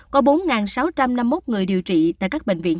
có bốn sáu trăm năm mươi một người điều trị tại các bệnh viện